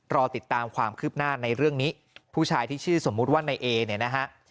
รอติดตามความคืบหน้าในเรื่องนี้ผู้ชายที่ชื่อสมมุติว่าในเอเนี่ยนะฮะ